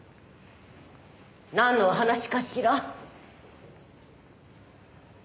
なんのお話かしら？